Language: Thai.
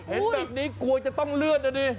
เห็นแบบนี้กลัวจะต้องเลื่อนนะดิ